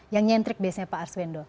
yang nyentrik biasanya pak arswendo